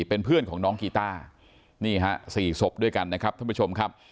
เป็นเพื่อนของน้องกีต้านี่ฮะสี่ศพด้วยกันนะครับท่านผู้ชมครับ